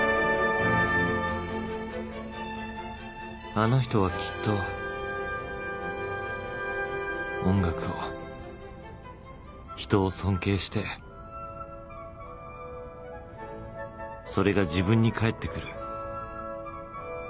あの人はきっと音楽を人を尊敬してそれが自分に返ってくる